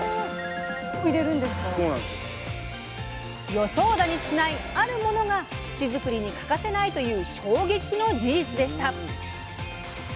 予想だにしないあるものが土作りに欠かせないという衝撃の事実でした！